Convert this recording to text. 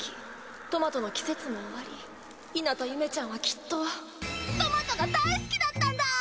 トマトの季節も終わり日向ゆめちゃんはきっとトマトが大好きだったんだ！